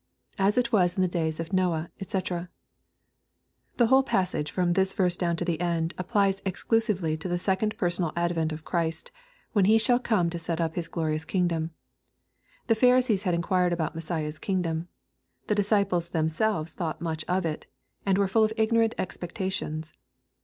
— [As it was in the days of Noe, <hc.] The whole passage, from this verso down to the end, applies exclusively to the second per sonal advent of Christ, when He shall come tx) set up His glorious kingdom. The Pharisees hdd inquired about Messiah's kingdom The disciples themselves thought much of it, and were full of igno rant expectations.